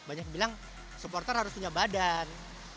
banyak bilang supporter harus punya badan